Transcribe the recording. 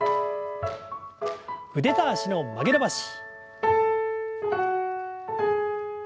腕と脚の曲げ伸ばし。